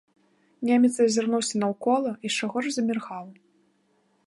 Немец азірнуўся наўкола, яшчэ горш заміргаў.